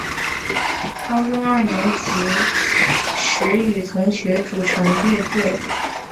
高中二年级时与同学组成乐队。